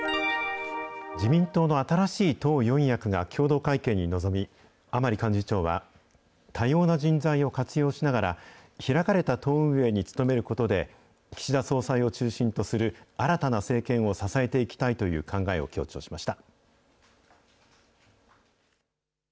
自民党の新しい党四役が共同会見に臨み、甘利幹事長は、多様な人材を活用しながら、開かれた党運営に努めることで、岸田総裁を中心とする新たな政権を支えていきたいという考えを強調しました。